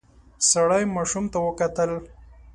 سړی ماشوم ته وکتل.